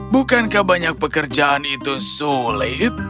bukankah banyak pekerjaan itu sulit